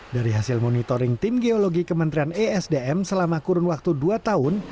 dari hasil monitoring tim geologi kementerian esdm selama kurun waktu dua tahun